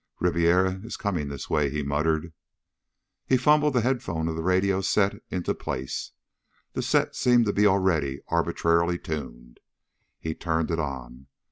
"Ribiera was coming this way," he muttered. He fumbled the headphone of the radio set into place. The set seemed to be already arbitrarily tuned. He turned it on.